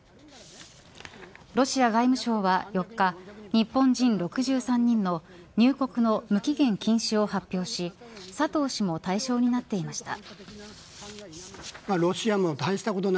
ロシア外務省は４日日本人６３人の入国の無期限禁止を発表し佐藤氏も対象になっていました。